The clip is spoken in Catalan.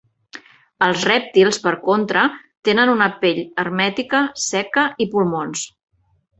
Els rèptils, per contra, tenen una pell hermètica seca i pulmons.